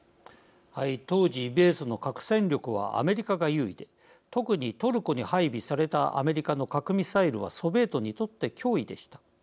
当時米ソの核戦力はアメリカが優位で特にトルコに配備されたアメリカの核ミサイルはソビエトにとって脅威でした。